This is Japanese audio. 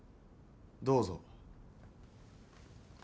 どうぞ。